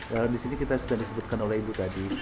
lalu disini kita sudah disebutkan oleh ibu tadi